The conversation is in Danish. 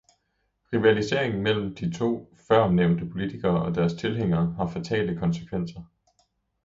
Rivaliseringen mellem de to førnævnte politikere og deres tilhængere har fatale konsekvenser.